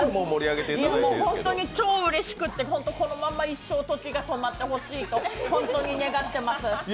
本当に超うれしくてこのまま一生時が止まってほしいと願っています。